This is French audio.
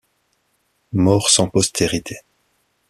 Mort sans postérité.